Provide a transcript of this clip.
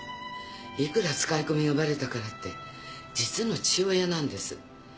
いくら使い込みがバレたからって実の父親なんです。